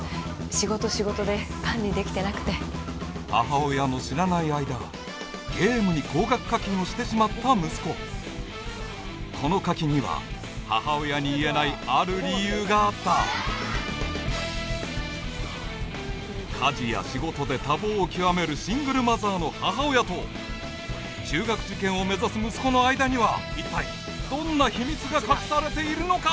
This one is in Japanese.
仕事仕事で管理できてなくて母親の知らない間ゲームに高額課金をしてしまった息子この課金には母親に言えないある理由があった家事や仕事で多忙を極めるシングルマザーの母親と中学受験を目指す息子の間には一体どんな秘密が隠されているのか？